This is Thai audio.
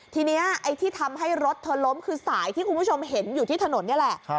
ทีนี้ไอ้ที่ทำให้รถเธอล้มคือสายที่คุณผู้ชมเห็นอยู่ที่ถนนนี่แหละ